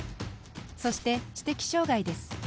そして、知的障がいです。